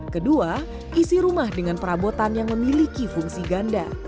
kedua isi rumah dengan perabotan yang memiliki fungsi ganda